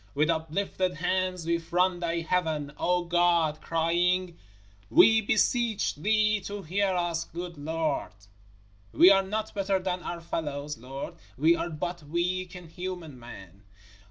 With uplifted hands we front Thy heaven, O God, crying: We beseech Thee to hear us, good Lord! We are not better than our fellows, Lord, we are but weak and human men.